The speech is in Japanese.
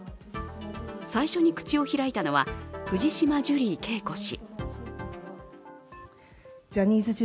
最初に口を開いたのは藤島ジュリー景子氏。